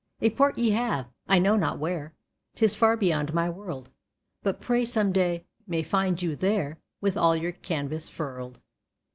A port ye have, I know not where 'Tis far beyond my world But pray some day may find you there With all your canvas furled.